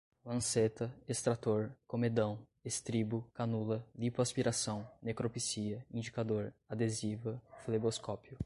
lanceta, extrator, comedão, estribo, canula, lipoaspiração, necropsia, indicador, adesiva, fleboscópio